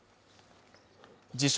自称